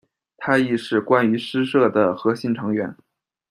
她亦是「关于诗社」的核心成员。